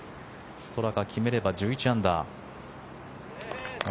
ストラカ決めれば１１アンダー。